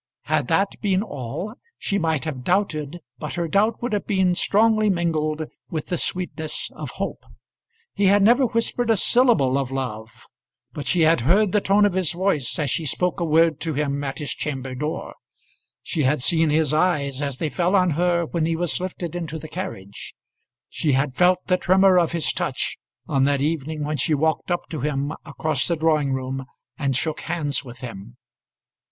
Had that been all, she might have doubted, but her doubt would have been strongly mingled with the sweetness of hope. He had never whispered a syllable of love, but she had heard the tone of his voice as she spoke a word to him at his chamber door; she had seen his eyes as they fell on her when he was lifted into the carriage; she had felt the tremor of his touch on that evening when she walked up to him across the drawing room and shook hands with him.